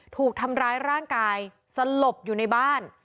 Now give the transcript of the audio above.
ถูกทำร้ายร่างกายสลบอยู่ในบ้าน